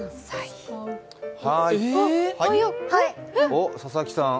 おっ、佐々木さん？